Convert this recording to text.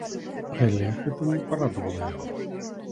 Але гэта не парадавала яго.